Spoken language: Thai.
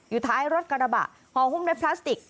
อยู่ท้ายรถกระบะห่อหุ้มด้วยพลาสติก